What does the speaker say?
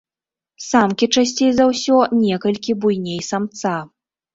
Самкі часцей за ўсё некалькі буйней самца.